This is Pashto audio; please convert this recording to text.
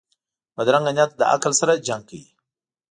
بدرنګه نیت له عقل سره جنګ کوي